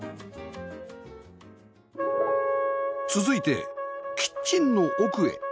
続いてキッチンの奥へ